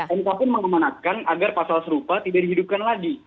enka pun mengemanakan agar pasal serupa tidak dihidupkan lagi